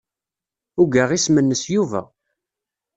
Ugaɣ isem-nnes Yuba.